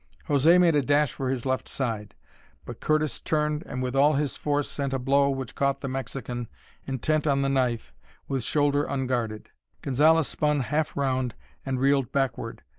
José made a dash for his left side, but Curtis turned and with all his force sent a blow which caught the Mexican, intent on the knife, with shoulder unguarded. Gonzalez spun half round and reeled backward.